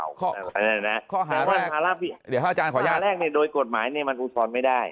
และข้อหาแรกเนี่ยโดยกฏหมายมันอุทธรณไม่ได้